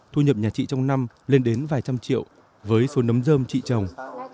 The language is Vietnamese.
thu nhập nhà chị trong năm lên đến vài trăm triệu với số nấm dơm chị trồng